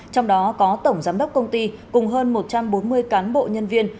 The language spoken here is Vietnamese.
trong đó có tổng giám đốc công ty cùng hơn một trăm bốn mươi cán bộ nhân viên